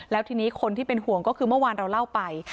แล้วทีนี้คนที่เป็นห่วงก็คือเมื่อวานเราเล่าไป